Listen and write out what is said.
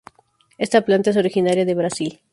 Esta planta es originaria de Brasil.